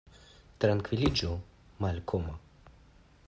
Trankviliĝu, Malkomo.